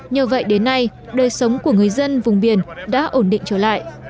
nhờ vậy đến nay đời sống của người dân vùng biển đã ổn định trở lại